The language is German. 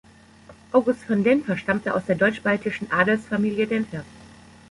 August von Denffer stammte aus der deutsch-baltischen Adelsfamilie Denffer.